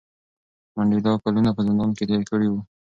منډېلا کلونه په زندان کې تېر کړي وو.